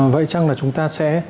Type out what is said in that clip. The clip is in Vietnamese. vậy chăng là chúng ta sẽ